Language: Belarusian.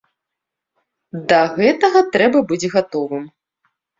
Да гэтага трэба быць гатовым.